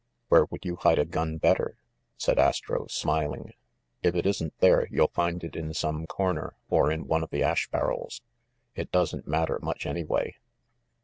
"Where would you hide a gun better?" said Astro, smiling. "If it isn't there, you'll find it in some cor ner, or in one of the ash barrels. It doesn't matter much, anyway."